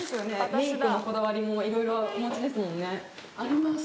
メイクのこだわりもいろいろお持ちですもんねあります